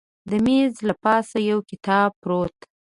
د میز له پاسه یو کتاب پرېوت.